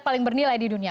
paling bernilai di dunia